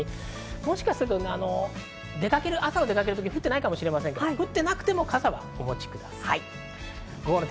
もしかすると朝は降ってないかもしれませんが、降ってなくても傘をお持ちください。